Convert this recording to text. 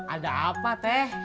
ada apa teh